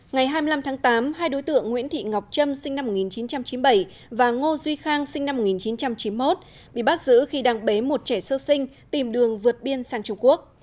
ngày hai mươi năm tháng tám hai đối tượng nguyễn thị ngọc trâm sinh năm một nghìn chín trăm chín mươi bảy và ngô duy khang sinh năm một nghìn chín trăm chín mươi một bị bắt giữ khi đang bế một trẻ sơ sinh tìm đường vượt biên sang trung quốc